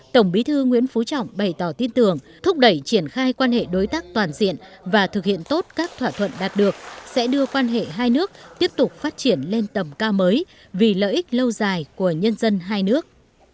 tổng bí thư nguyễn phú trọng bày tỏ tin tưởng thúc đẩy triển khai quan hệ đối tác toàn diện và thực hiện tốt các thỏa thuận đạt được sẽ đưa quan hệ hai nước tiếp tục phát triển lên tầm cao mới vì lợi ích lâu dài của nhân dân hai nước